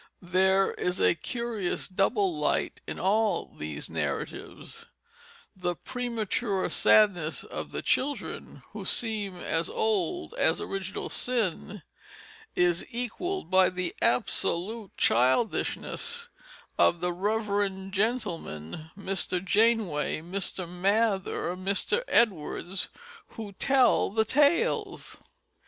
There is a curious double light in all these narratives: the premature sadness of the children, who seem as old as original sin, is equalled by the absolute childishness of the reverend gentlemen, Mr. Janeway, Mr. Mather, Mr. Edwards, who tell the tales.